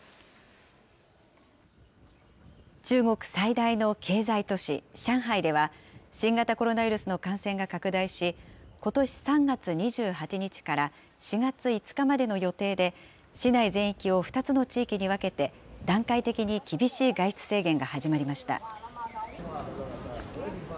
中国最大の経済都市、上海では、新型コロナウイルスの感染が拡大し、ことし３月２８日から４月５日までの予定で、市内全域を２つの地域に分けて、段階的に厳しい外出制限が始まりました。